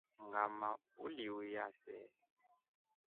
Ngʼama wliuya see.